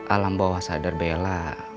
alam bawah sadar bella